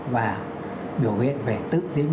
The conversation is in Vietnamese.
và biểu hiện về tự diễn biến tự truyền hoạt